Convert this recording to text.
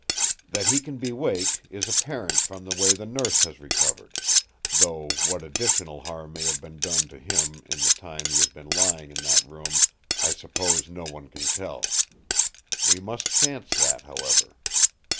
That he can be waked is apparent from the way the Nurse has recovered; though what additional harm may have been done to him in the time he has been lying in that room I suppose no one can tell. We must chance that, however.